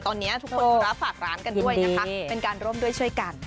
ตอนนี้ทุกคนธุระฝากร้านกันด้วยนะคะเป็นการร่วมด้วยช่วยกัน